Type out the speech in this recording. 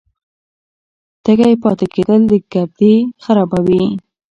تږی پاتې کېدل ګردې خرابوي.